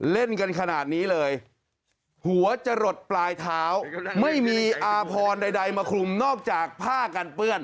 เล่นกันขนาดนี้เลยหัวจะหลดปลายเท้าไม่มีอาพรใดมาคลุมนอกจากผ้ากันเปื้อน